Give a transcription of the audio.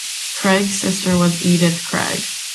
Craig's sister was Edith Craig.